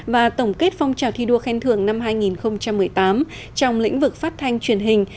và tổng kết phong trào thi đua khen thường năm hai nghìn một mươi tám trong lĩnh vực phát thanh truyền hình